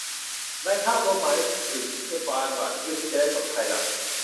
ในภาพรวมหมายถึงการหว่านพืชที่จะได้ผลภายหลัง